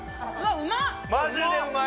うまっ！